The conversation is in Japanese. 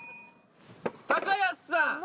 高安さん。